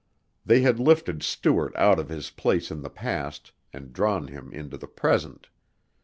They had lifted Stuart out of his place in the past and drawn him into the present.